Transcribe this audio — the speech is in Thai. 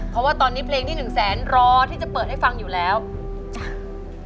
เพราะว่าตอนนี้เพลงที่หนึ่งแสนรอที่จะเปิดให้ฟังอยู่แล้วจ้ะ